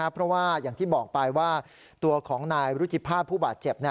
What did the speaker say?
เพราะว่าอย่างที่บอกไปว่าตัวของนายรุจิภาพผู้บาดเจ็บ